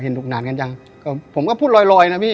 เห็นหลุกหนานกันจังผมก็พูดลอยนะพี่